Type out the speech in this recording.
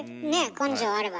根性あればねえ？